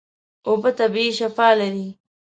اوبه طبیعي شفاء لري.